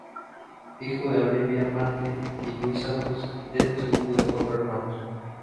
Hijo de Alida Marte y Luis Santos, es el segundo de cuatro hermanos.